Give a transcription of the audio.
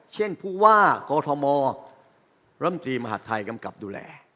เช่นผู้ว่ากมรมหาธัยกำกับดูแล